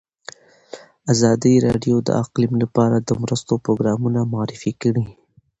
ازادي راډیو د اقلیم لپاره د مرستو پروګرامونه معرفي کړي.